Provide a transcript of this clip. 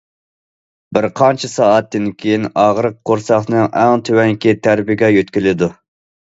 بىر قانچە سائەتتىن كېيىن ئاغرىق قورساقنىڭ ئوڭ تۆۋەنكى تەرىپىگە يۆتكىلىدۇ.